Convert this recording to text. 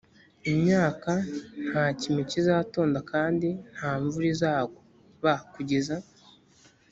imyaka nta kime kizatonda kandi nta mvura izagwa b kugeza